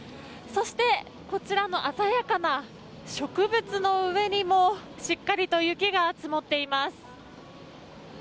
そして、こちらの鮮やかな植物の上にもしっかりと雪が積もっています。